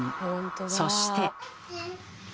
そして。